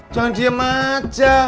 jangan diem aja